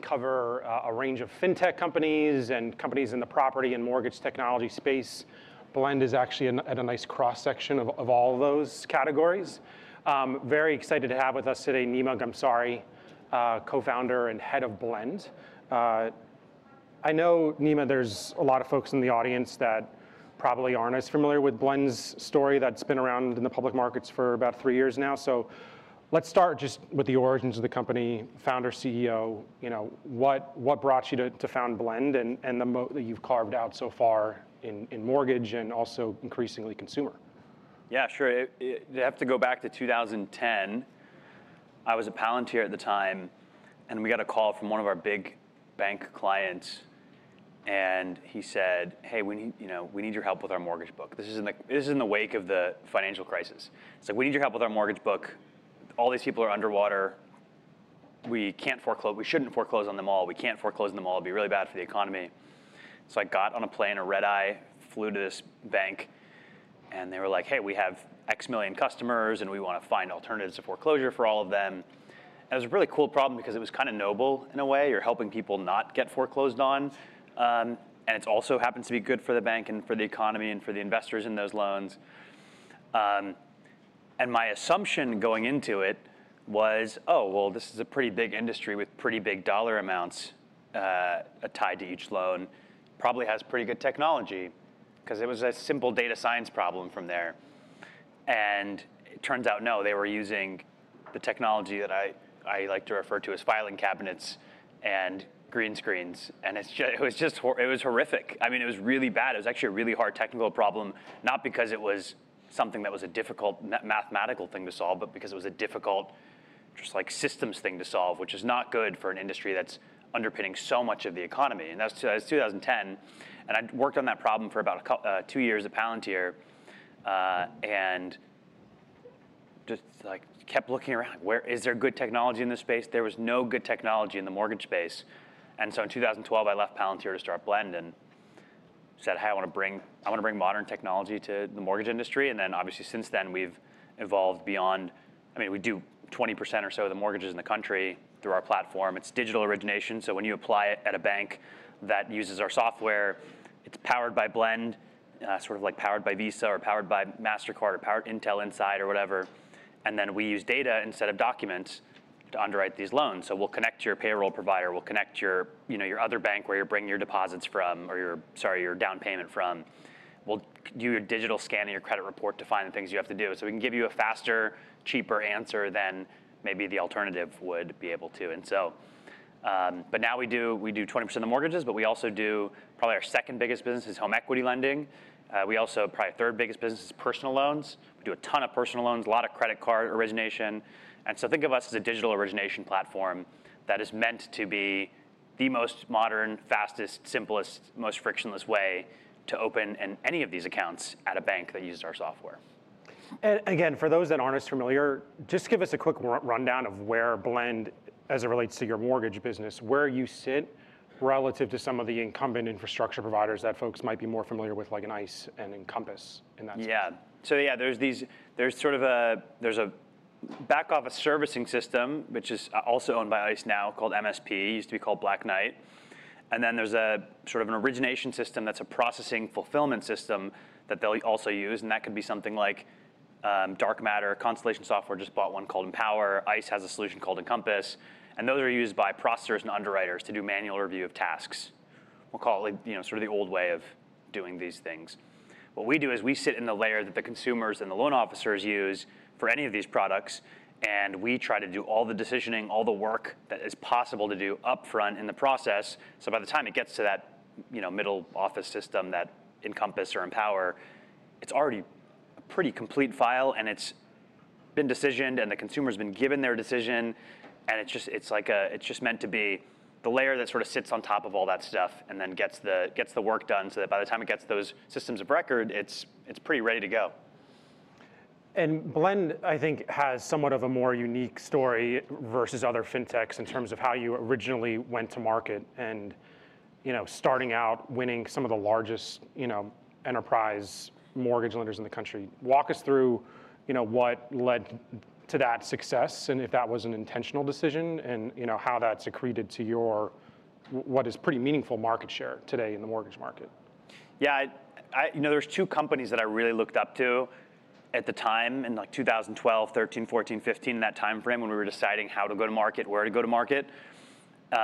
cover a range of fintech companies and companies in the property and mortgage technology space. Blend is actually at a nice cross-section of all of those categories. Very excited to have with us today Nima Ghamsari, co-founder and head of Blend. I know, Nima, there's a lot of folks in the audience that probably aren't as familiar with Blend's story that's been around in the public markets for about three years now. So let's start just with the origins of the company, founder, CEO. What brought you to found Blend and the moat that you've carved out so far in mortgage and also increasingly consumer? Yeah, sure. I have to go back to 2010. I was at Palantir at the time, and we got a call from one of our big bank clients, and he said, "Hey, we need your help with our mortgage book." This is in the wake of the financial crisis. It's like, "We need your help with our mortgage book. All these people are underwater. We shouldn't foreclose on them all. We can't foreclose on them all. It'd be really bad for the economy." So I got on a plane, a red-eye, flew to this bank, and they were like, "Hey, we have X million customers, and we want to find alternatives to foreclosure for all of them." And it was a really cool problem because it was kind of noble in a way. You're helping people not get foreclosed on. And it also happens to be good for the bank and for the economy and for the investors in those loans. And my assumption going into it was, "Oh, well, this is a pretty big industry with pretty big dollar amounts tied to each loan. Probably has pretty good technology," because it was a simple data science problem from there. And it turns out, no, they were using the technology that I like to refer to as filing cabinets and green screens. And it was horrific. I mean, it was really bad. It was actually a really hard technical problem, not because it was something that was a difficult mathematical thing to solve, but because it was a difficult systems thing to solve, which is not good for an industry that's underpinning so much of the economy. And that was 2010. I worked on that problem for about two years at Palantir. And I just kept looking around. Is there good technology in this space? There was no good technology in the mortgage space. In 2012, I left Palantir to start Blend and said, "Hey, I want to bring modern technology to the mortgage industry." Then obviously since then, we've evolved beyond. I mean, we do 20% or so of the mortgages in the country through our platform. It's digital origination. When you apply it at a bank that uses our software, it's powered by Blend, sort of like powered by Visa or powered by Mastercard or powered by Intel Inside or whatever. And then we use data instead of documents to underwrite these loans. We'll connect to your payroll provider. We'll connect to your other bank where you're bringing your deposits from or your down payment from. We'll do your digital scan of your credit report to find the things you have to do. So we can give you a faster, cheaper answer than maybe the alternative would be able to. And so, but now we do 20% of the mortgages, but we also do probably our second biggest business is home equity lending. We also have probably our third biggest business is personal loans. We do a ton of personal loans, a lot of credit card origination. And so think of us as a digital origination platform that is meant to be the most modern, fastest, simplest, most frictionless way to open any of these accounts at a bank that uses our software. Again, for those that aren't as familiar, just give us a quick rundown of where Blend, as it relates to your mortgage business, where you sit relative to some of the incumbent infrastructure providers that folks might be more familiar with, like an ICE and Encompass in that sense. Yeah. So yeah, there's sort of a back-office servicing system, which is also owned by ICE now, called MSP. It used to be called Black Knight. And then there's sort of an origination system that's a processing fulfillment system that they'll also use. And that could be something like Dark Matter. Constellation Software just bought one called Empower. ICE has a solution called Encompass. And those are used by processors and underwriters to do manual review of tasks. We'll call it sort of the old way of doing these things. What we do is we sit in the layer that the consumers and the loan officers use for any of these products, and we try to do all the decisioning, all the work that is possible to do upfront in the process. So by the time it gets to that middle office system, that Encompass or Empower, it's already a pretty complete file, and it's been decisioned, and the consumer has been given their decision. And it's just meant to be the layer that sort of sits on top of all that stuff and then gets the work done so that by the time it gets those systems of record, it's pretty ready to go. And Blend, I think, has somewhat of a more unique story versus other fintechs in terms of how you originally went to market and, you know, starting out winning some of the largest, you know, enterprise mortgage lenders in the country. Walk us through what led to that success and if that was an intentional decision and how that's accreted to your, what is pretty meaningful market share today in the mortgage market. Yeah. There were two companies that I really looked up to at the time in 2012, 2013, 2014, 2015, that time frame when we were deciding how to go to market, where to go to market.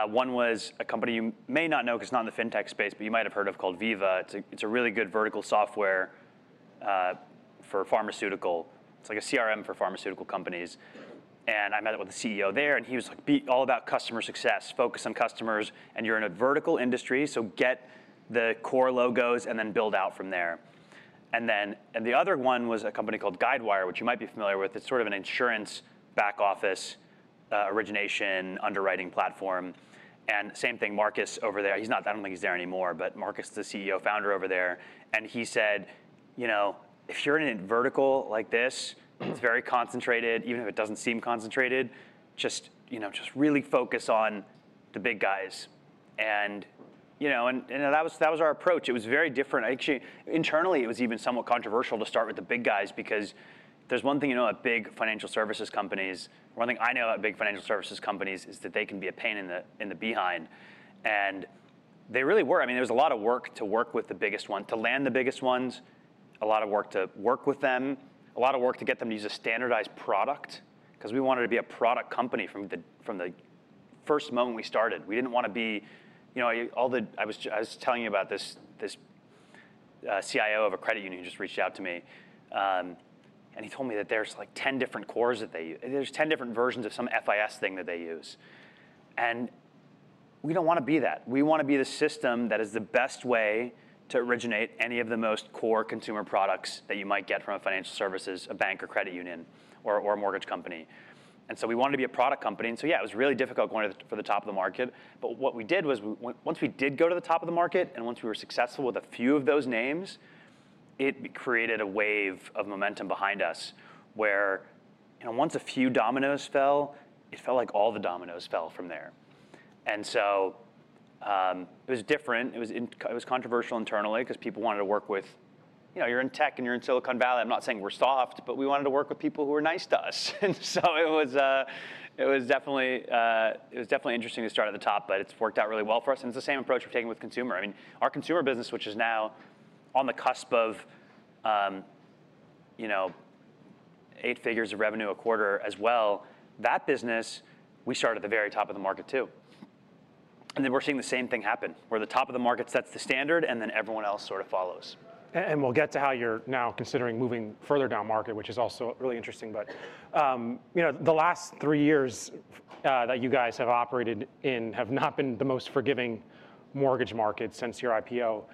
One was a company you may not know because it's not in the fintech space, but you might have heard of called Veeva. It's a really good vertical software for pharmaceutical. It's like a CRM for pharmaceutical companies. And I met with the CEO there, and he was like, "Be all about customer success. Focus on customers. And you're in a vertical industry, so get the core logos and then build out from there." And then the other one was a company called Guidewire, which you might be familiar with. It's sort of an insurance back-office origination underwriting platform. And same thing, Marcus over there. I don't think he's there anymore, but Marcus is the CEO and founder over there. And he said, you know, "If you're in a vertical like this, it's very concentrated, even if it doesn't seem concentrated, just really focus on the big guys." And that was our approach. It was very different. Internally, it was even somewhat controversial to start with the big guys because there's one thing you know about big financial services companies. One thing I know about big financial services companies is that they can be a pain in the behind. And they really were. I mean, there was a lot of work to work with the biggest ones, to land the biggest ones, a lot of work to work with them, a lot of work to get them to use a standardized product because we wanted to be a product company from the first moment we started. We didn't want to be all the I was telling you about this this CIO of a credit union who just reached out to me, and he told me that there's like 10 different cores that they use. There's 10 different versions of some FIS thing that they use, and we don't want to be that. We want to be the system that is the best way to originate any of the most core consumer products that you might get from a financial services, a bank or credit union, or a mortgage company, and so we wanted to be a product company, and so yeah, it was really difficult going for the top of the market. But what we did was once we did go to the top of the market and once we were successful with a few of those names, it created a wave of momentum behind us where once a few dominoes fell, it felt like all the dominoes fell from there. And so it was different. It was controversial internally because people wanted to work with you. You're in tech and you're in Silicon Valley. I'm not saying we're soft, but we wanted to work with people who were nice to us. And so it was definitely interesting to start at the top, but it's worked out really well for us. And it's the same approach we're taking with consumer. I mean, our consumer business, which is now on the cusp of, you know, eight figures of revenue a quarter as well, that business, we started at the very top of the market too. We're seeing the same thing happen where the top of the market sets the standard and then everyone else sort of follows. We'll get to how you're now considering moving further down market, which is also really interesting. The last three years that you guys have operated in have not been the most forgiving mortgage market since your IPO.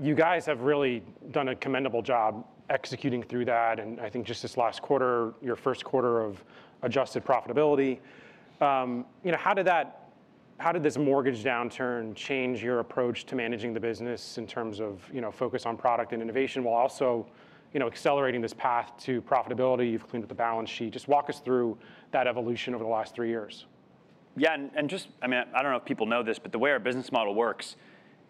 You guys have really done a commendable job executing through that. I think just this last quarter, your first quarter of adjusted profitability. How did that, how did this mortgage downturn change your approach to managing the business in terms of focus on product and innovation while also accelerating this path to profitability? You've cleaned up the balance sheet. Just walk us through that evolution over the last three years. Yeah. And just, I mean, I don't know if people know this, but the way our business model works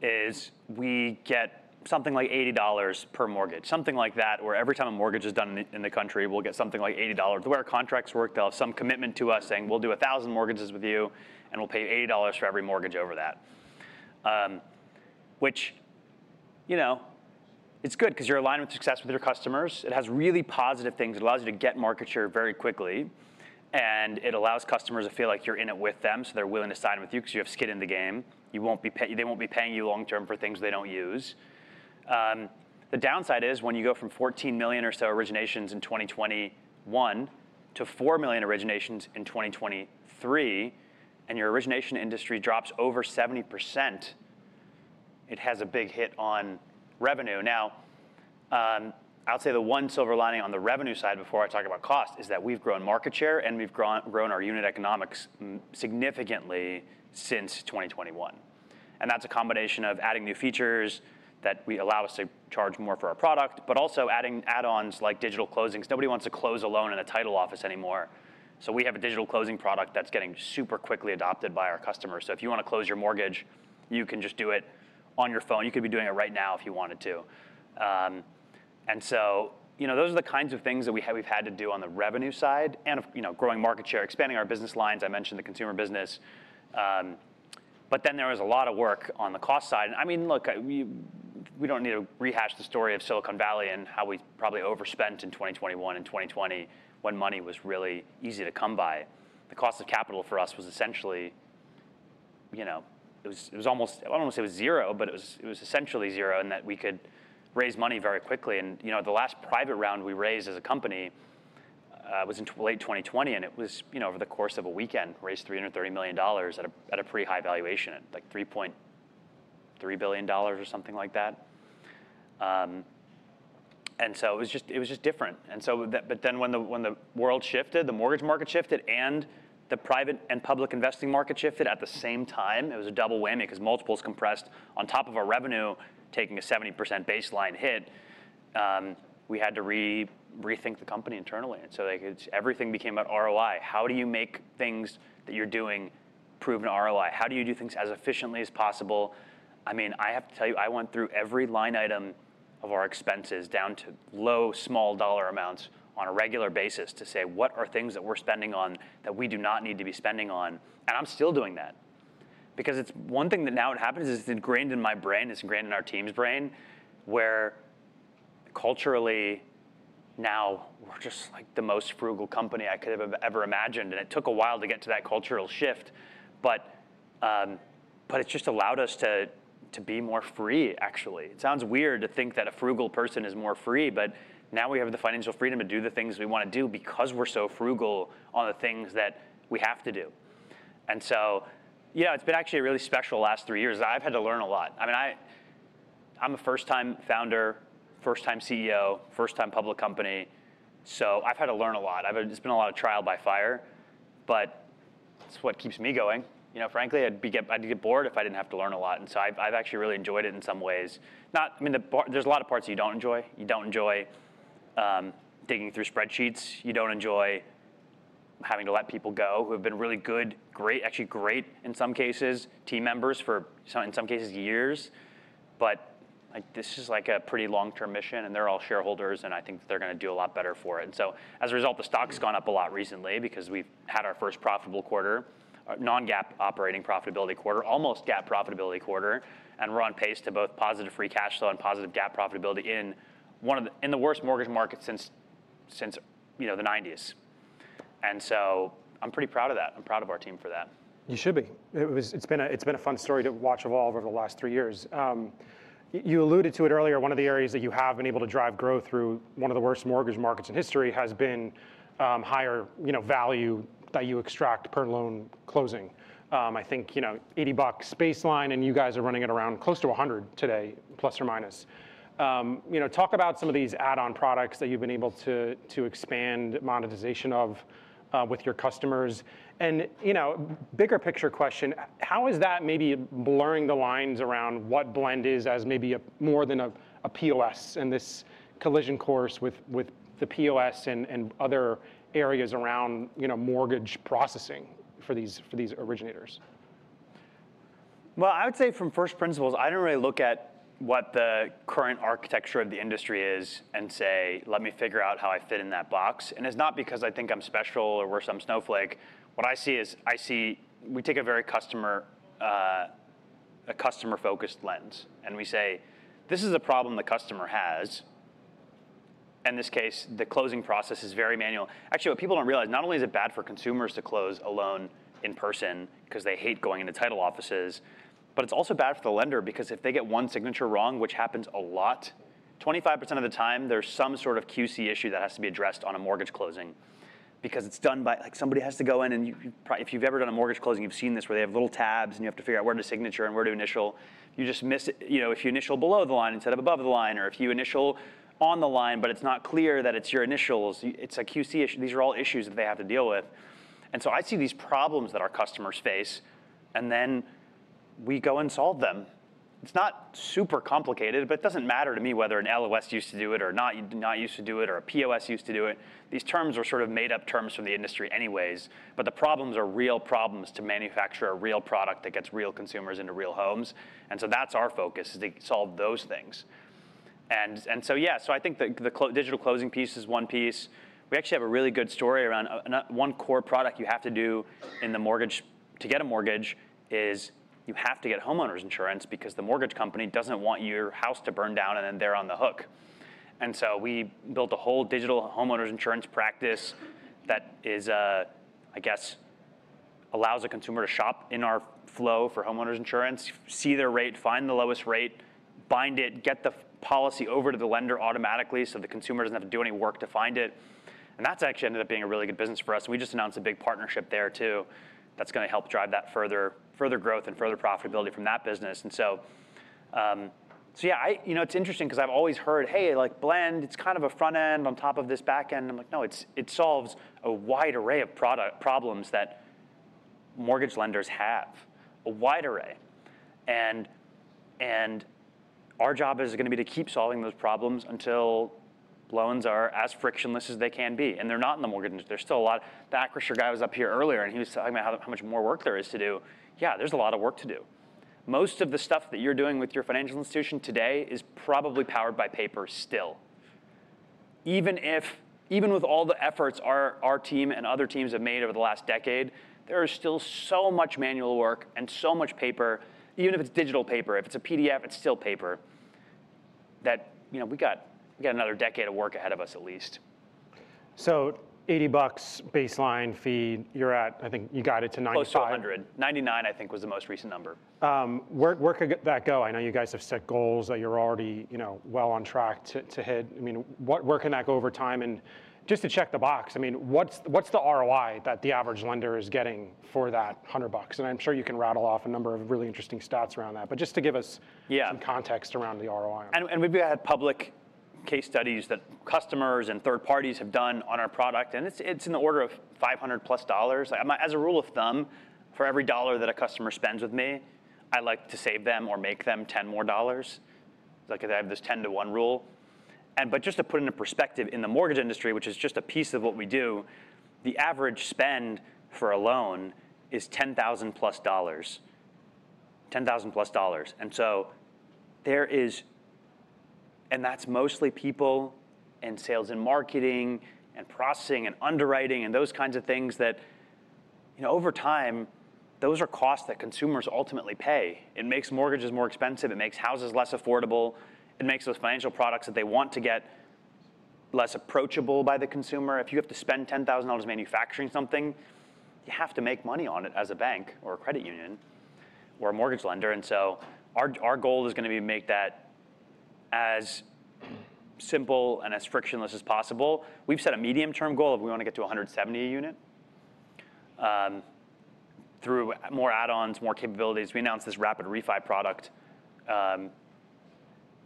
is we get something like $80 per mortgage, something like that, where every time a mortgage is done in the country, we'll get something like $80. The way our contracts work, they'll have some commitment to us saying, "We'll do 1,000 mortgages with you, and we'll pay $80 for every mortgage over that," which, you know, it's good because you're aligned with success with your customers. It has really positive things. It allows you to get market share very quickly. And it allows customers to feel like you're in it with them, so they're willing to sign with you because you have skin in the game. They won't be paying you long-term for things they don't use. The downside is when you go from 14 million or so originations in 2021 to 4 million originations in 2023, and your origination industry drops over 70%, it has a big hit on revenue. Now, I'll say the one silver lining on the revenue side before I talk about cost is that we've grown market share and we've grown our unit economics significantly since 2021. And that's a combination of adding new features that allow us to charge more for our product, but also adding add-ons like digital closings. Nobody wants to close a loan in a title office anymore. So we have a digital closing product that's getting super quickly adopted by our customers. So if you want to close your mortgage, you can just do it on your phone. You could be doing it right now if you wanted to. And so those are the kinds of things that we've had to do on the revenue side and growing market share, expanding our business lines. I mentioned the consumer business. But then there was a lot of work on the cost side. I mean, look, we don't need to rehash the story of Silicon Valley and how we probably overspent in 2021 and 2020 when money was really easy to come by. The cost of capital for us was essentially, you know, I don't want to say it was zero, but it was essentially zero in that we could raise money very quickly. The last private round we raised as a company was in late 2020, and it was over the course of a weekend, raised $330 million at a pretty high valuation at like $3.3 billion or something like that. It was just different. And so but then, when the world shifted, the mortgage market shifted, and the private and public investing market shifted at the same time, it was a double whammy because multiples compressed on top of our revenue taking a 70% baseline hit. We had to rethink the company internally. And so everything became about ROI. How do you make things that you're doing prove an ROI? How do you do things as efficiently as possible? I mean, I have to tell you, I went through every line item of our expenses down to low small dollar amounts on a regular basis to say, "What are things that we're spending on that we do not need to be spending on?" And I'm still doing that because it's one thing that now it happens is it's ingrained in my brain. It's ingrained in our team's brain where culturally now we're just like the most frugal company I could have ever imagined, and it took a while to get to that cultural shift, but it's just allowed us to be more free, actually. It sounds weird to think that a frugal person is more free, but now we have the financial freedom to do the things we want to do because we're so frugal on the things that we have to do, and so it's been actually a really special last three years. I've had to learn a lot. I mean, I'm a first-time founder, first-time CEO, first-time public company, so I've had to learn a lot. It's been a lot of trial by fire, but it's what keeps me going. Frankly, I'd get bored if I didn't have to learn a lot. And so I've actually really enjoyed it in some ways. I mean, there's a lot of parts that you don't enjoy. You don't enjoy digging through spreadsheets. You don't enjoy having to let people go who have been really good, great, actually great in some cases, team members for in some cases years. But this is like a pretty long-term mission, and they're all shareholders, and I think that they're going to do a lot better for it. And so as a result, the stock's gone up a lot recently because we've had our first profitable quarter, non-GAAP operating profitability quarter, almost GAAP profitability quarter. And we're on pace to both positive free cash flow and positive GAAP profitability in the worst mortgage market since since the 1990s. And so I'm pretty proud of that. I'm proud of our team for that. You should be. It's been a fun story to watch evolve over the last three years. You alluded to it earlier. One of the areas that you have been able to drive growth through one of the worst mortgage markets in history has been higher value that you extract per loan closing. I think, you know, $80 baseline, and you guys are running it around close to $100 today, plus or minus. Talk about some of these add-on products that you've been able to expand monetization of with your customers, and you know, bigger picture question, how is that maybe blurring the lines around what Blend is as maybe more than a POS and this collision course with with the POS and other areas around mortgage processing for these originators? I would say from first principles, I don't really look at what the current architecture of the industry is and say, "Let me figure out how I fit in that box." It's not because I think I'm special or we're some snowflake. What I see is we take a very customer-focused lens, and we say, "This is a problem the customer has." In this case, the closing process is very manual. Actually, what people don't realize, not only is it bad for consumers to close a loan in person because they hate going into title offices, but it's also bad for the lender because if they get one signature wrong, which happens a lot, 25% of the time there's some sort of QC issue that has to be addressed on a mortgage closing because it's done by somebody has to go in. And if you've ever done a mortgage closing, you've seen this where they have little tabs, and you have to figure out where to signature and where to initial. If you initial below the line instead of above the line, or if you initial on the line, but it's not clear that it's your initials, it's a QC issue. These are all issues that they have to deal with. And so I see these problems that our customers face, and then we go and solve them. It's not super complicated, but it doesn't matter to me whether an LOS used to do it or not, or a POS used to do it. These terms are sort of made-up terms from the industry anyways. But the problems are real problems to manufacture a real product that gets real consumers into real homes. And so that's our focus is to solve those things. And so yeah, so I think the digital closing piece is one piece. We actually have a really good story around one core product you have to do in the mortgage to get a mortgage is you have to get homeowners insurance because the mortgage company doesn't want your house to burn down and then they're on the hook. And so we built a whole digital homeowners insurance practice that is, I guess, allows a consumer to shop in our flow for homeowners insurance, see their rate, find the lowest rate, bind it, get the policy over to the lender automatically so the consumer doesn't have to do any work to find it. And that's actually ended up being a really good business for us. And we just announced a big partnership there too that's going to help drive that further growth and further profitability from that business. And so yeah, it's interesting because I've always heard, "Hey, Blend, it's kind of a front end on top of this back end." I'm like, "No, it solves a wide array of problems that mortgage lenders have, a wide array." And and our job is going to be to keep solving those problems until loans are as frictionless as they can be. And they're not in the mortgage industry. There's still a lot of that. Crystal guy was up here earlier, and he was talking about how much more work there is to do. Yeah, there's a lot of work to do. Most of the stuff that you're doing with your financial institution today is probably powered by paper still. Even if you know, with all the efforts our team and other teams have made over the last decade, there is still so much manual work and so much paper. Even if it's digital paper, if it's a PDF, it's still paper that we got another decade of work ahead of us at least. So $80 baseline fee, you're at, I think you got it to $95. Close to $100. $99, I think, was the most recent number. Where could that go? I know you guys have set goals that you're already well on track to hit. I mean, where can that go over time? And just to check the box, I mean, what's the ROI that the average lender is getting for that $100? And I'm sure you can rattle off a number of really interesting stats around that, but just to give us some context around the ROI. We've had public case studies that customers and third parties have done on our product. And it's in the order of $500 plus dollars. As a rule of thumb, for every dollar that a customer spends with me, I like to save them or make them $10 more. I have this 10 to 1 rule. But just to put it into perspective in the mortgage industry, which is just a piece of what we do, the average spend for a loan is $10,000 plus dollars, $10,000 plus dollars. And so there is, and that's mostly people and sales and marketing and processing and underwriting and those kinds of things that over time, those are costs that consumers ultimately pay. It makes mortgages more expensive. It makes houses less affordable. It makes those financial products that they want to get less approachable by the consumer. If you have to spend $10,000 manufacturing something, you have to make money on it as a bank or a credit union or a mortgage lender, and so our goal is going to be to make that as simple and as frictionless as possible. We've set a medium-term goal of we want to get to 170 a unit through more add-ons, more capabilities. We announced this Rapid Refi product,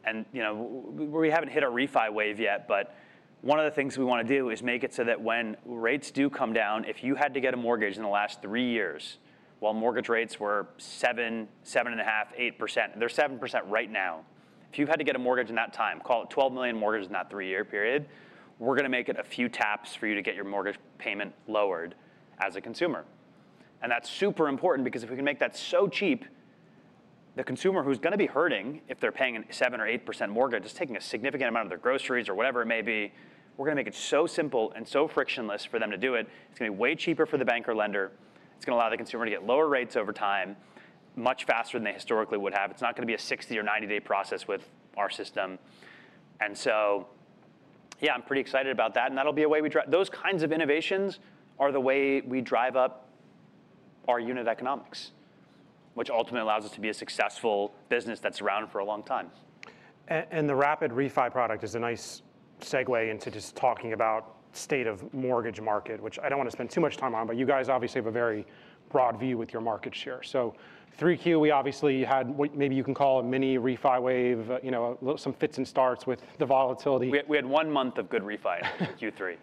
and you know, we haven't hit our Refi wave yet, but one of the things we want to do is make it so that when rates do come down, if you had to get a mortgage in the last three years while mortgage rates were 7%, 7.5%, 8%, they're 7% right now. If you had to get a mortgage in that time, call it 12 million mortgages in that three-year period, we're going to make it a few taps for you to get your mortgage payment lowered as a consumer, and that's super important because if we can make that so cheap, the consumer who's going to be hurting if they're paying a 7%-8% mortgage, just taking a significant amount of their groceries or whatever it may be, we're going to make it so simple and so frictionless for them to do it. It's going to be way cheaper for the bank or lender. It's going to allow the consumer to get lower rates over time much faster than they historically would have. It's not going to be a 60- or 90-day process with our system, and so yeah, I'm pretty excited about that. That'll be a way we drive those kinds of innovations are the way we drive up our unit economics, which ultimately allows us to be a successful business that's around for a long time. The Rapid Refi product is a nice segue into just talking about the state of the mortgage market, which I don't want to spend too much time on, but you guys obviously have a very broad view with your market share. So 3Q, we obviously had what maybe you can call a mini Refi wave, some fits and starts with the volatility. We had one month of good Refi in Q3.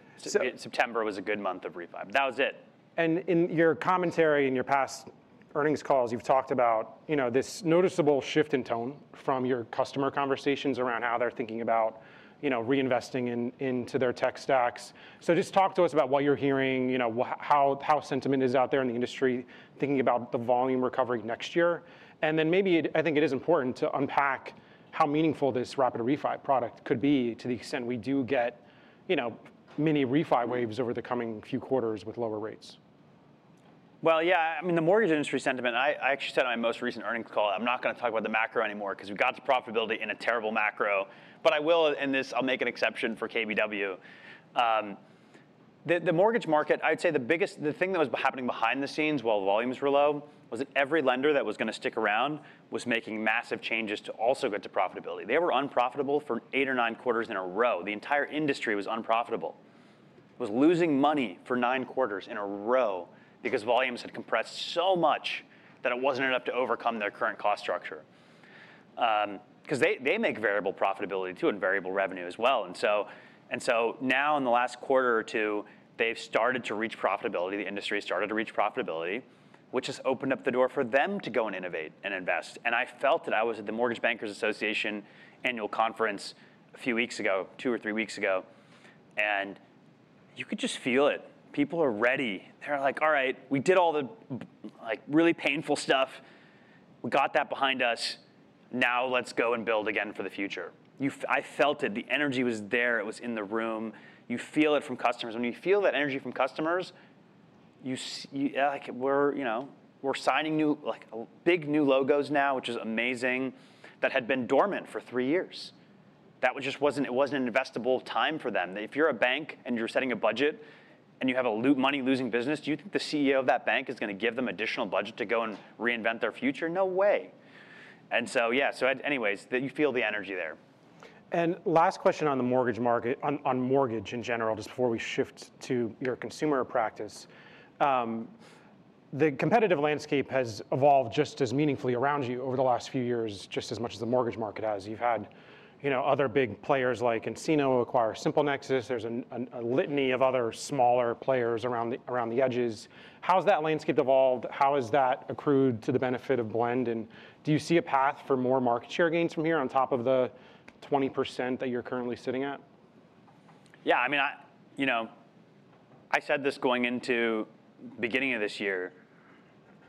September was a good month of Refi. That was it. In your commentary in your past earnings calls, you've talked about this noticeable shift in tone from your customer conversations around how they're thinking about reinvesting into their tech stacks. Just talk to us about what you're hearing, how sentiment is out there in the industry thinking about the volume recovery next year. Maybe I think it is important to unpack how meaningful this Rapid Refi product could be to the extent we do get mini Refi waves over the coming few quarters with lower rates. Yeah, I mean, the mortgage industry sentiment. I actually said on my most recent earnings call, I'm not going to talk about the macro anymore because we got to profitability in a terrible macro. But I will, and this I'll make an exception for KBW. The mortgage market, I'd say the biggest thing that was happening behind the scenes while volumes were low was that every lender that was going to stick around was making massive changes to also get to profitability. They were unprofitable for eight or nine quarters in a row. The entire industry was unprofitable. It was losing money for nine quarters in a row because volumes had compressed so much that it wasn't enough to overcome their current cost structure. Because they make variable profitability too and variable revenue as well. And so, and so now in the last quarter or two, they've started to reach profitability. The industry started to reach profitability, which has opened up the door for them to go and innovate and invest. And I felt that I was at the Mortgage Bankers Association annual conference a few weeks ago, two or three weeks ago, and you could just feel it. People are ready. They're like, "All right, we did all the really painful stuff. We got that behind us. Now let's go and build again for the future." I felt it. The energy was there. It was in the room. You feel it from customers. When you feel that energy from customers, you know, we're signing big new logos now, which is amazing, that had been dormant for three years. That just wasn't an investable time for them. If you're a bank and you're setting a budget and you have a money-losing business, do you think the CEO of that bank is going to give them additional budget to go and reinvent their future? No way. And so yeah, so anyways, you feel the energy there. And last question on the mortgage market, on mortgage in general, just before we shift to your consumer practice. The competitive landscape has evolved just as meaningfully around you over the last few years, just as much as the mortgage market has. You've had other big players like nCino acquire SimpleNexus. There's a litany of other smaller players around the edges. How has that landscape evolved? How has that accrued to the benefit of Blend? And do you see a path for more market share gains from here on top of the 20% that you're currently sitting at? Yeah, I mean, you know, I said this going into the beginning of this year.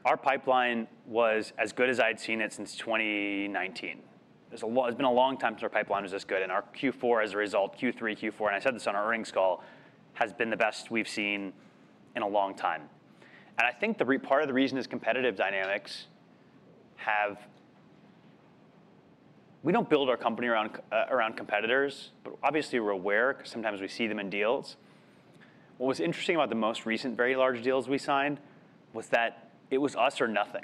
Our pipeline was as good as I'd seen it since 2019. It's been a long time since our pipeline was this good. And our Q4, as a result, Q3, Q4, and I said this on our earnings call, has been the best we've seen in a long time. And I think part of the reason is competitive dynamics, have. We don't build our company around competitors, but obviously we're aware because sometimes we see them in deals. What was interesting about the most recent very large deals we signed was that it was us or nothing,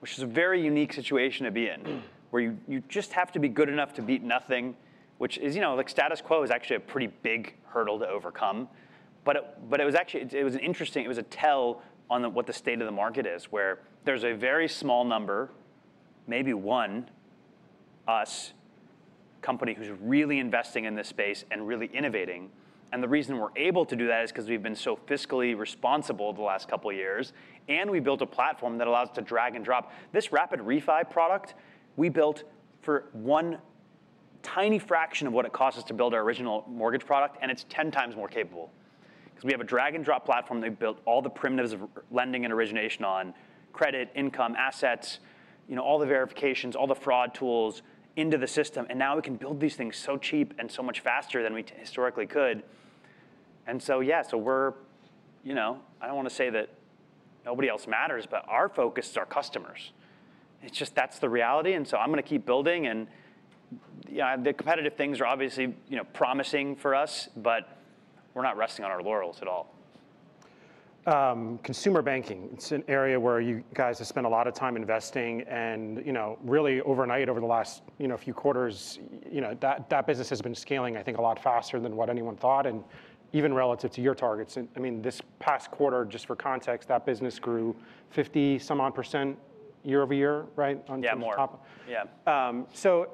which is a very unique situation to be in, where you just have to be good enough to beat nothing, which is like status quo is actually a pretty big hurdle to overcome. But it was actually an interesting tell on what the state of the market is, where there's a very small number, maybe one, us, a company who's really investing in this space and really innovating. And the reason we're able to do that is because we've been so fiscally responsible the last couple of years. And we built a platform that allows us to drag and drop. This Rapid Refi product we built for one tiny fraction of what it costs us to build our original mortgage product, and it's 10 times more capable. Because we have a drag-and-drop platform that we built all the primitives of lending and origination on, credit, income, assets, you know, all the verifications, all the fraud tools into the system. Now we can build these things so cheap and so much faster than we historically could. And so yeah we're, you know, I don't want to say that nobody else matters, but our focus is our customers. It's just, that's the reality. And so I'm going to keep building. And the competitive things are obviously promising for us, but we're not resting on our laurels at all. Consumer banking, it's an area where you guys have spent a lot of time investing. And really overnight, over the last few quarters, that business has been scaling, I think, a lot faster than what anyone thought, and even relative to your targets. I mean, this past quarter, just for context, that business grew 50-some-odd% year over year, right, on top of. Yeah, more. Yeah. So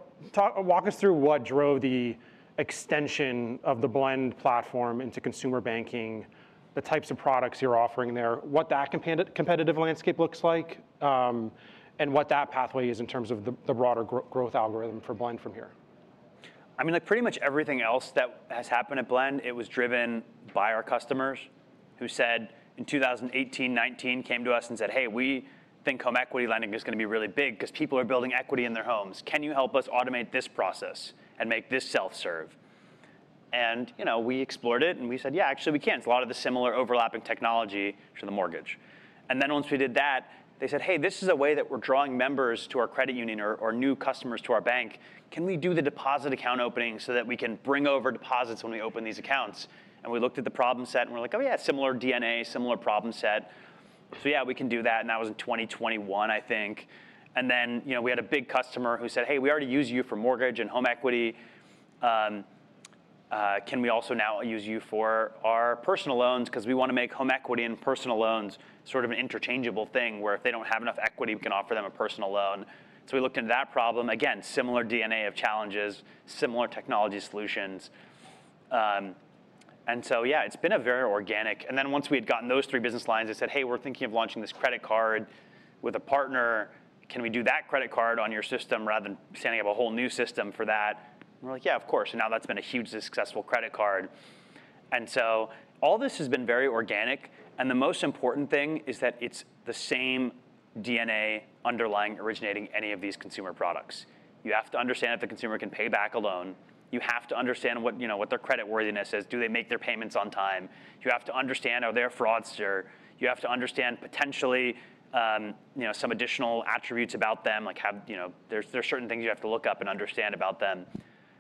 walk us through what drove the extension of the Blend platform into consumer banking, the types of products you're offering there, what that competitive landscape looks like, and what that pathway is in terms of the broader growth algorithm for Blend from here? I mean, like pretty much everything else that has happened at Blend, it was driven by our customers who said in 2018, 2019, came to us and said, "Hey, we think home equity lending is going to be really big because people are building equity in their homes. Can you help us automate this process and make this self-serve?" And we explored it, and we said, "Yeah, actually we can." It's a lot of the similar overlapping technology for the mortgage. And then once we did that, they said, "Hey, this is a way that we're drawing members to our credit union or new customers to our bank. Can we do the deposit account opening so that we can bring over deposits when we open these accounts?" And we looked at the problem set, and we're like, "Oh yeah, similar DNA, similar problem set." So yeah, we can do that. And that was in 2021, I think. And then we had a big customer who said, "Hey, we already use you for mortgage and home equity. Can we also now use you for our personal loans? Because we want to make home equity and personal loans sort of an interchangeable thing where if they don't have enough equity, we can offer them a personal loan." So we looked into that problem. Again, similar DNA of challenges, similar technology solutions. And so yeah, it's been a very organic. And then once we had gotten those three business lines, they said, "Hey, we're thinking of launching this credit card with a partner. Can we do that credit card on your system rather than standing up a whole new system for that?" We're like, "Yeah, of course." And now that's been a hugely successful credit card. And so all this has been very organic. And the most important thing is that it's the same DNA underlying originating any of these consumer products. You have to understand if the consumer can pay back a loan. You have to understand what their creditworthiness is. Do they make their payments on time? You have to understand, are they a fraudster? You have to understand potentially some additional attributes about them. There's certain things you have to look up and understand about them.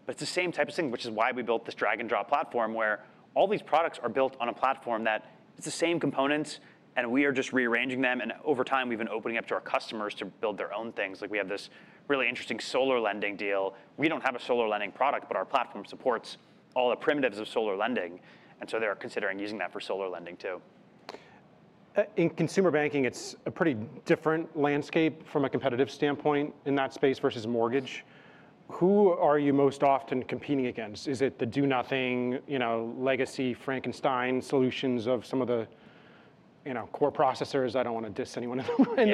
But it's the same type of thing, which is why we built this drag-and-drop platform, where all these products are built on a platform that it's the same components, and we are just rearranging them. And over time, we've been opening up to our customers to build their own things. Like we have this really interesting solar lending deal. We don't have a solar lending product, but our platform supports all the primitives of solar lending. And so they're considering using that for solar lending too. In consumer banking, it's a pretty different landscape from a competitive standpoint in that space versus mortgage. Who are you most often competing against? Is it the do-nothing, you know, legacy Frankenstein solutions of some of the, you know, core processors? I don't want to diss anyone in the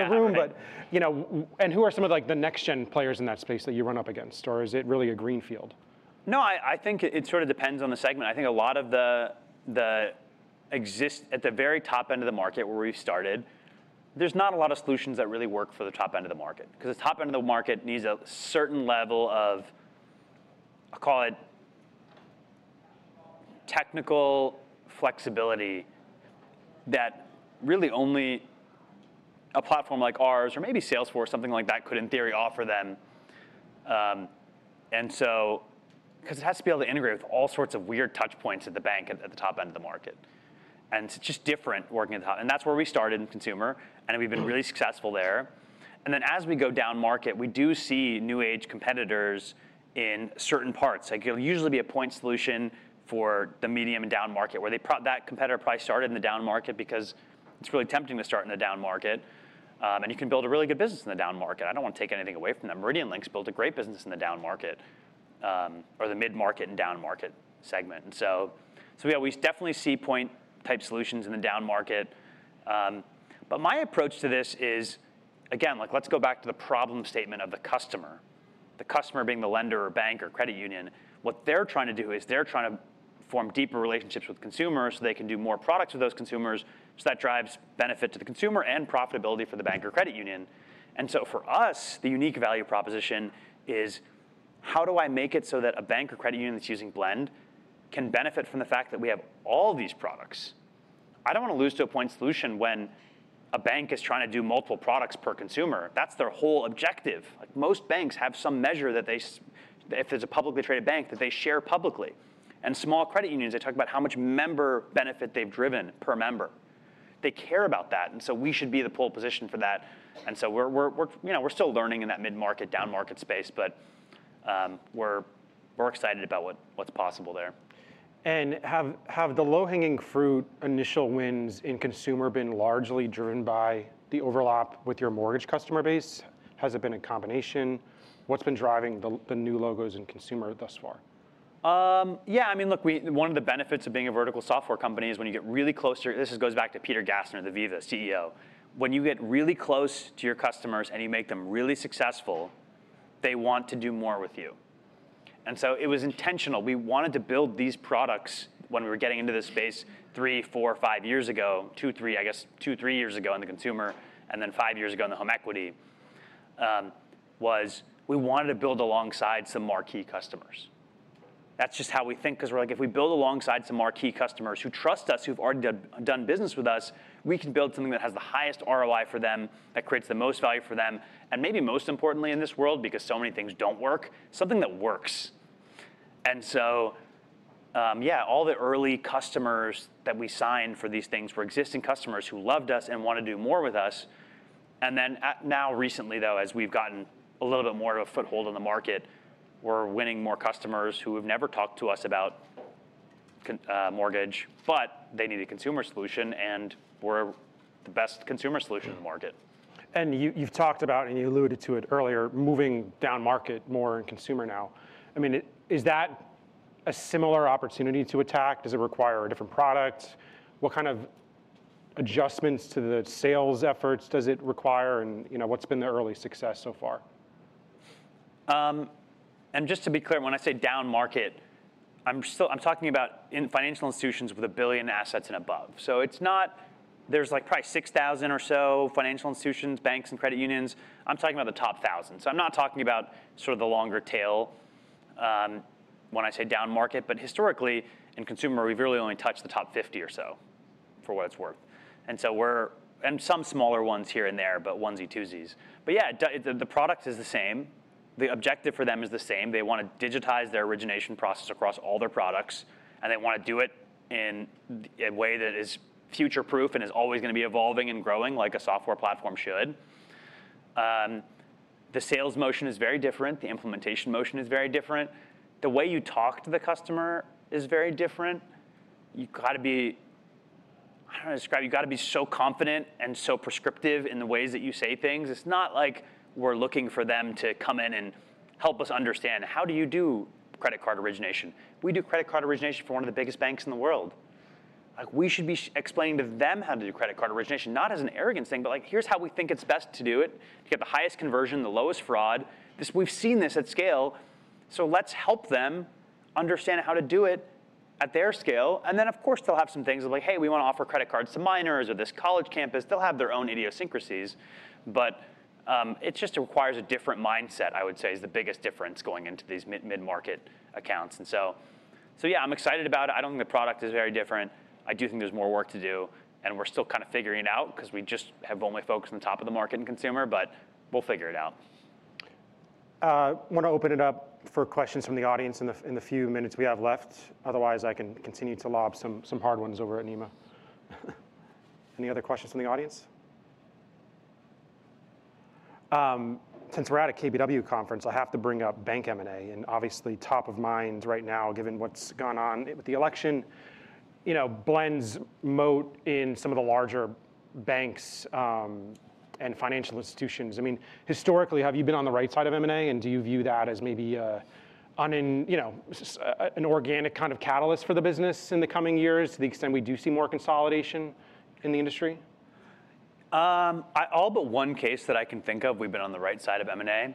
room, but who are some of the next-gen players in that space that you run up against, or is it really a greenfield? No, I think it sort of depends on the segment. I think a lot of the the very top end of the market where we started, there's not a lot of solutions that really work for the top end of the market. Because the top end of the market needs a certain level of, I'll call it technical flexibility that really only a platform like ours or maybe Salesforce, something like that, could in theory offer them. And so because it has to be able to integrate with all sorts of weird touch points at the bank at the top end of the market. And it's just different working at the top. And that's where we started in consumer, and we've been really successful there. And then as we go down market, we do see new age competitors in certain parts. Like it'll usually be a point solution for the mid and down market, where that competitor probably started in the down market because it's really tempting to start in the down market, and you can build a really good business in the down market. I don't want to take anything away from them. MeridianLink built a great business in the down market or the mid-market and down market segment, and so yeah, we definitely see point-type solutions in the down market, but my approach to this is, again, let's go back to the problem statement of the customer, the customer being the lender or bank or credit union. What they're trying to do is they're trying to form deeper relationships with consumers so they can do more products with those consumers, so that drives benefit to the consumer and profitability for the bank or credit union. And so for us, the unique value proposition is, how do I make it so that a bank or credit union that's using Blend can benefit from the fact that we have all these products? I don't want to lose to a point solution when a bank is trying to do multiple products per consumer. That's their whole objective. Most banks have some measure that they if it's a publicly traded bank, that they share publicly. And small credit unions, they talk about how much member benefit they've driven per member. They care about that. We should be the pole position for that. We're still learning in that mid-market, down market space, but we're excited about what's possible there. And have the low-hanging fruit initial wins in consumer been largely driven by the overlap with your mortgage customer base? Has it been a combination? What's been driving the new logos in consumer thus far? Yeah, I mean, look, one of the benefits of being a vertical software company is when you get really close to this goes back to Peter Gassner, the Veeva CEO. When you get really close to your customers and you make them really successful, they want to do more with you, and so it was intentional. We wanted to build these products when we were getting into this space three, four, five years ago, two, three, I guess, two, three years ago in the consumer, and then five years ago in the home equity was we wanted to build alongside some marquee customers. That's just how we think. Because we're like, if we build alongside some marquee customers who trust us, who've already done business with us, we can build something that has the highest ROI for them, that creates the most value for them, and maybe most importantly in this world, because so many things don't work, something that works. And so yeah, all the early customers that we signed for these things were existing customers who loved us and wanted to do more with us. And then now recently, though, as we've gotten a little bit more of a foothold in the market, we're winning more customers who have never talked to us about mortgage, but they need a consumer solution, and we're the best consumer solution in the market. And you've talked about, and you alluded to it earlier, moving down market more in consumer now. I mean, is that a similar opportunity to attack? Does it require a different product? What kind of adjustments to the sales efforts does it require? And what's been the early success so far? And just to be clear, when I say down market, I'm talking about financial institutions with a billion assets and above. There's like probably 6,000 or so financial institutions, banks, and credit unions. I'm talking about the top 1,000. I'm not talking about sort of the longer tail when I say down market. Historically, in consumer, we've really only touched the top 50 or so for what it's worth. Some smaller ones here and there, but onesies, twosies. Yeah, the product is the same. The objective for them is the same. They want to digitize their origination process across all their products, and they want to do it in a way that is future-proof and is always going to be evolving and growing like a software platform should. The sales motion is very different. The implementation motion is very different. The way you talk to the customer is very different. You've got to be. I don't know how to describe it. You've got to be so confident and so prescriptive in the ways that you say things. It's not like we're looking for them to come in and help us understand, how do you do credit card origination? We do credit card origination for one of the biggest banks in the world. We should be explaining to them how to do credit card origination, not as an arrogance thing, but like, here's how we think it's best to do it to get the highest conversion, the lowest fraud. We've seen this at scale. So let's help them understand how to do it at their scale. And then, of course, they'll have some things of like, hey, we want to offer credit cards to minors or this college campus. They'll have their own idiosyncrasies, but it just requires a different mindset, I would say, is the biggest difference going into these mid-market accounts, and so yeah, I'm excited about it. I don't think the product is very different. I do think there's more work to do, and we're still kind of figuring it out because we just have only focused on the top of the market in consumer, but we'll figure it out. I want to open it up for questions from the audience in the few minutes we have left. Otherwise, I can continue to lob some hard ones over at Nima. Any other questions from the audience? Since we're at a KBW conference, I have to bring up bank M&A, and obviously top of mind right now, given what's gone on with the election, Blend's moat in some of the larger banks and financial institutions. I mean, historically, have you been on the right side of M&A? And do you view that as maybe, I mean you know, an organic kind of catalyst for the business in the coming years to the extent we do see more consolidation in the industry? All but one case that I can think of, we've been on the right side of M&A.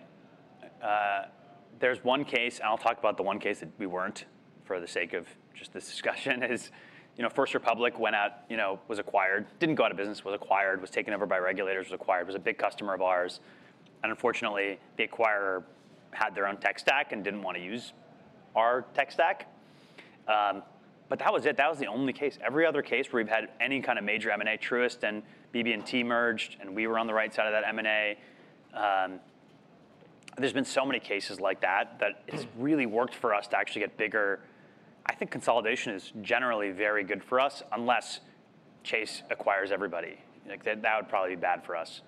There's one case, and I'll talk about the one case that we weren't for the sake of just this discussion: First Republic went out, was acquired, didn't go out of business, was acquired, was taken over by regulators, was acquired, was a big customer of ours, and unfortunately, the acquirer had their own tech stack and didn't want to use our tech stack, but that was it. That was the only case. Every other case where we've had any kind of major M&A, Truist and BB&T merged, and we were on the right side of that M&A. There's been so many cases like that that it's really worked for us to actually get bigger. I think consolidation is generally very good for us unless Chase acquires everybody. That would probably be bad for us.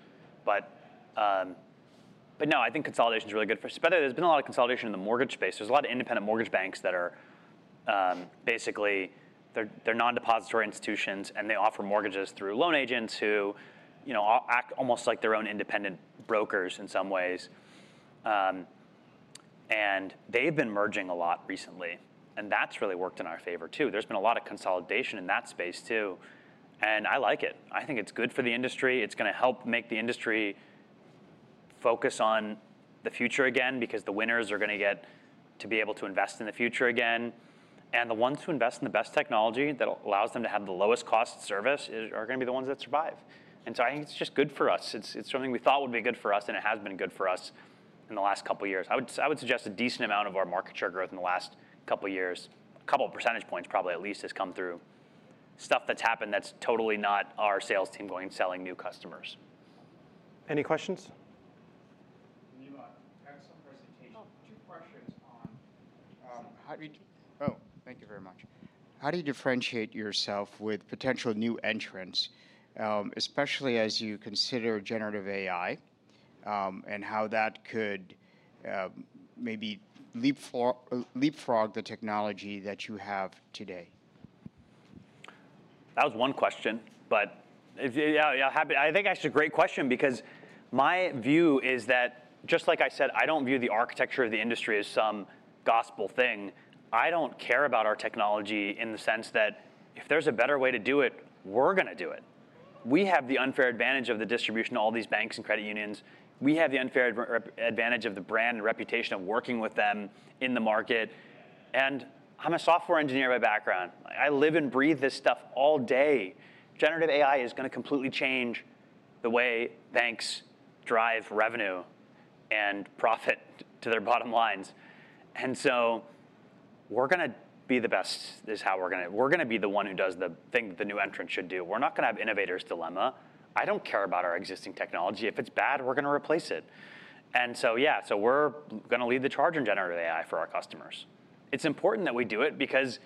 But no, I think consolidation is really good for us. But there's been a lot of consolidation in the mortgage space. There's a lot of independent mortgage banks that are basically they're non-depository institutions, and they offer mortgages through loan agents who act almost like their own independent brokers in some ways. And they've been merging a lot recently. And that's really worked in our favor too. There's been a lot of consolidation in that space too. And I like it. I think it's good for the industry. It's going to help make the industry focus on the future again because the winners are going to get to be able to invest in the future again. And the ones who invest in the best technology that allows them to have the lowest cost service are going to be the ones that survive. And so I think it's just good for us. It's something we thought would be good for us, and it has been good for us in the last couple of years. I would suggest a decent amount of our market share growth in the last couple of years, a couple of percentage points probably at least has come through stuff that's happened that's totally not our sales team going and selling new customers. Any questions? Nima, I have some presentation. Two questions on. How do you? Oh, thank you very much. How do you differentiate yourself with potential new entrants, especially as you consider generative AI and how that could maybe leapfrog the technology that you have today? That was one question. But I think that's a great question because my view is that just like I said, I don't view the architecture of the industry as some gospel thing. I don't care about our technology in the sense that if there's a better way to do it, we're going to do it. We have the unfair advantage of the distribution of all these banks and credit unions. We have the unfair advantage of the brand and reputation of working with them in the market. And I'm a software engineer by background. I live and breathe this stuff all day. Generative AI is going to completely change the way banks drive revenue and profit to their bottom lines. And so we're going to be the best is how we're going to be the one who does the thing that the new entrant should do. We're not going to have innovator's dilemma. I don't care about our existing technology. If it's bad, we're going to replace it. And so yeah, so we're going to lead the charge in generative AI for our customers. It's important that we do it because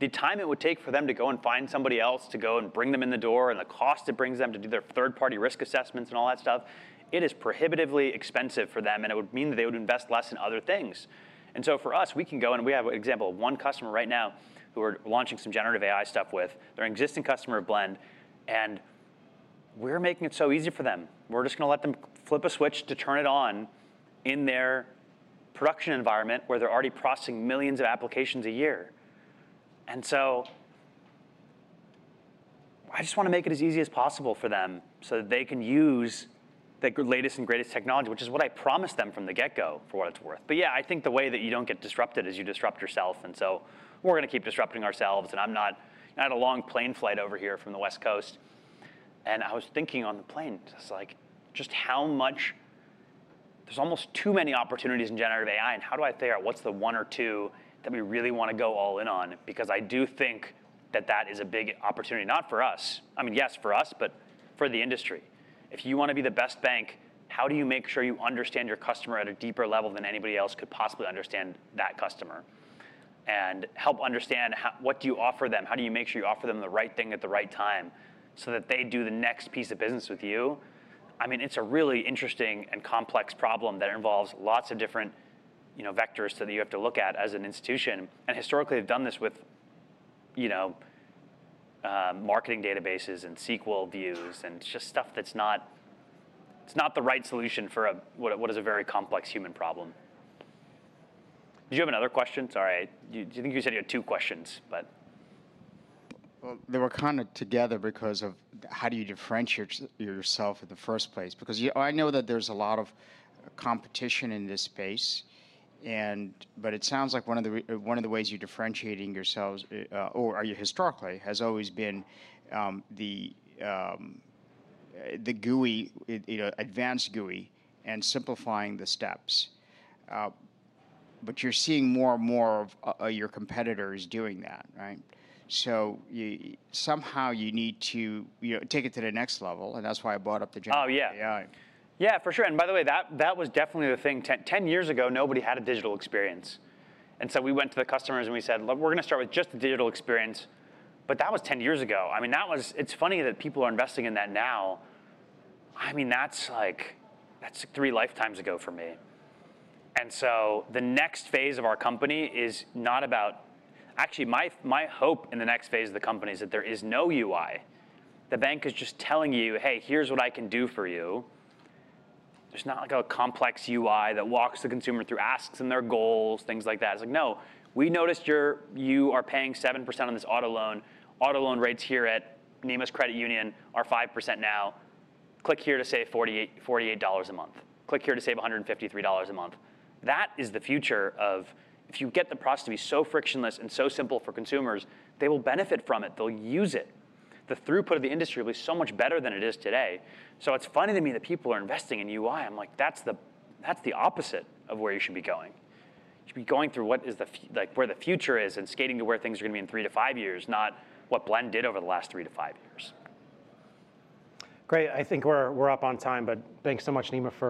the time it would take for them to go and find somebody else to go and bring them in the door and the cost it brings them to do their third-party risk assessments and all that stuff, it is prohibitively expensive for them. And it would mean that they would invest less in other things. And so for us, we can go and we have an example of one customer right now who we're launching some generative AI stuff with. They're an existing customer of Blend. And we're making it so easy for them. We're just going to let them flip a switch to turn it on in their production environment where they're already processing millions of applications a year. And so I just want to make it as easy as possible for them so that they can use the latest and greatest technology, which is what I promised them from the get-go for what it's worth. But yeah, I think the way that you don't get disrupted is you disrupt yourself. And so we're going to keep disrupting ourselves. And I was on a long plane flight over here from the West Coast. And I was thinking on the plane, just like how much there's almost too many opportunities in generative AI. And how do I figure out what's the one or two that we really want to go all in on? Because I do think that that is a big opportunity, not for us. I mean, yes, for us, but for the industry. If you want to be the best bank, how do you make sure you understand your customer at a deeper level than anybody else could possibly understand that customer and help understand what do you offer them? How do you make sure you offer them the right thing at the right time so that they do the next piece of business with you? I mean, it's a really interesting and complex problem that involves lots of different vectors that you have to look at as an institution. And historically, they've done this with, you know, marketing databases and SQL views and just stuff that's not the right solution for what is a very complex human problem. Did you have another question? Sorry. Do you think you said you had two questions, but? They were kind of together because of how do you differentiate yourself in the first place? Because I know that there's a lot of competition in this space. But it sounds like one of the ways you're differentiating yourselves, or are you historically, has always been the GUI, advanced GUI, and simplifying the steps. But you're seeing more and more of your competitors doing that, right? So somehow you need to take it to the next level. And that's why I brought up the generative AI. Oh, yeah. Yeah, for sure. And by the way, that was definitely the thing. Ten years ago, nobody had a digital experience. And so we went to the customers and we said, look, we're going to start with just the digital experience. But that was 10 years ago. I mean, it's funny that people are investing in that now. I mean, that's like three lifetimes ago for me. And so the next phase of our company is not about actually, my hope in the next phase of the company is that there is no UI. The bank is just telling you, hey, here's what I can do for you. There's not like a complex UI that walks the consumer through asks and their goals, things like that. It's like, no, we noticed you are paying 7% on this auto loan. Auto loan rates here at Nima's Credit Union are 5% now. Click here to save $48 a month. Click here to save $153 a month. That is the future if you get the process to be so frictionless and so simple for consumers. They will benefit from it. They'll use it. The throughput of the industry will be so much better than it is today, so it's funny to me that people are investing in UI. I'm like, that's the opposite of where you should be going. You should be going to where the future is and skating to where things are going to be in three to five years, not what Blend did over the last three to five years. Great. I think we're up on time. But thanks so much, Nima.